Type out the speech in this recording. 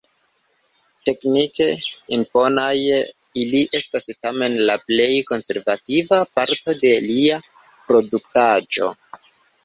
Teknike imponaj, ili estas tamen la plej konservativa parto de lia produktaĵo.